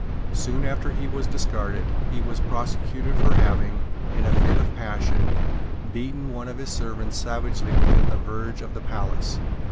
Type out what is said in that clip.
Soon after he was discarded, he was prosecuted for having, in a fit of passion, beaten one of his servants savagely within the verge of the palace.